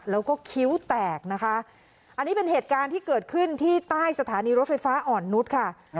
แล้วก็คิ้วแตกนะคะอันนี้เป็นเหตุการณ์ที่เกิดขึ้นที่ใต้สถานีรถไฟฟ้าอ่อนนุษย์ค่ะ